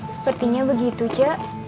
sepertinya begitu cil